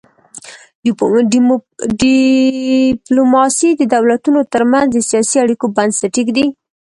ډیپلوماسي د دولتونو ترمنځ د سیاسي اړیکو بنسټ ایږدي.